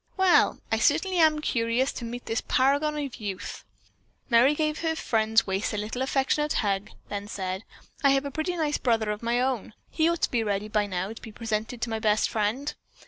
"Well, I certainly am curious to meet this paragon of a youth." Merry gave her friend's waist a little affectionate hug, then said: "I have a pretty nice brother of my own. He ought to be ready by now to be presented to my best friend."